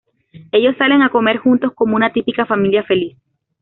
Ellos salen a comer juntos como una típica familia feliz.